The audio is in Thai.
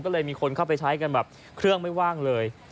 ก็เลยมีคนเข้าไปใช้กันแบบเครื่องไม่ว่างเลย